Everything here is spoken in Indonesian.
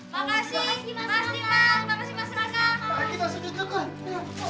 tadi irma diajakin ke supermarket sama mas raka